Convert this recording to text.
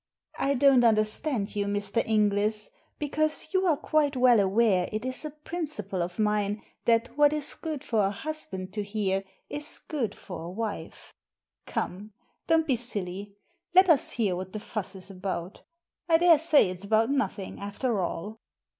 " I don't understand you, Mr. Inglis, because you are quite well aware it is a principle of mine that what is good for a husband to hear is good for a Digitized by VjOOQIC THE HOUSEBOAT 267 wife. Come, don't be silly. Let us hear what the fuss is about I daresay it*s about nothing after all."